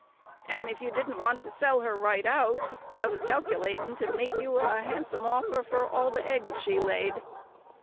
And if you didn't want to sell her right out, I was calc'latin' to make you a handsome offer for all the eggs she laid."